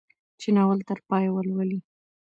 چې ناول تر پايه ولولي.